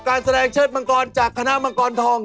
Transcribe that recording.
การแสดงเชิดมังกรจากคณะมังกรทอง